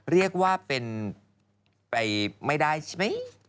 เรียกว่าเป็นไปไม่ได้ใช่ไหม